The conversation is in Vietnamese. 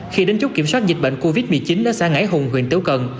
khi đến chút kiểm soát dịch bệnh covid một mươi chín ở xã ngãi hùng huyện tiếu cần